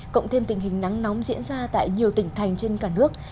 cộng thêm tình hình nắng nóng diễn ra tại nhiều tỉnh thành trên cả nước